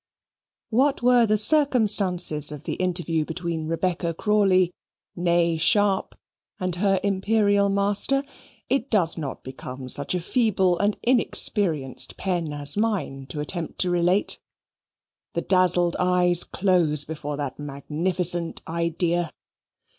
What were the circumstances of the interview between Rebecca Crawley, nee Sharp, and her Imperial Master, it does not become such a feeble and inexperienced pen as mine to attempt to relate. The dazzled eyes close before that Magnificent Idea.